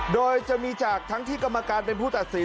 โดยจะมีจากทั้งที่กรรมการเป็นผู้ตัดสิน